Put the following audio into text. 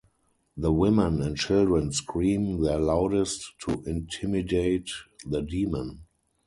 The women and children scream their loudest to intimidate the demon.